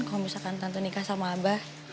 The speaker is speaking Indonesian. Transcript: kalau misalkan tante nikah sama abah